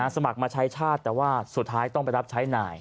สมัครมาใช้ชาติแต่ว่าสุดท้ายต้องไปรับใช้หน่าย